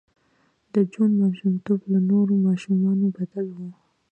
د جون ماشومتوب له نورو ماشومانو بدل و